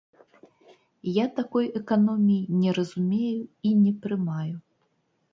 Я такой эканоміі не разумею і не прымаю.